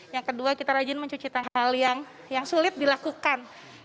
yang kedua kita rajin mencuci tanggal yang sulit dilakukan